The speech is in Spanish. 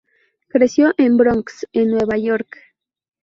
Creció en Bronx en Nueva York.